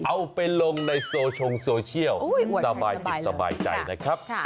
เอาไปลงในโซชงโซเชียลสบายจิตสบายใจนะครับ